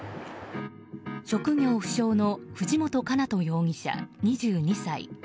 職業不詳の藤本叶人容疑者２２歳。